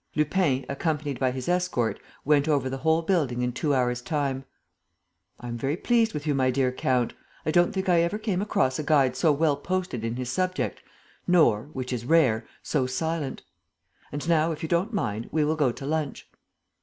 Lupin, accompanied by his escort, went over the whole building in two hours' time: "I am very pleased with you, my dear count. I don't think I ever came across a guide so well posted in his subject, nor which is rare so silent. And now, if you don't mind, we will go to lunch."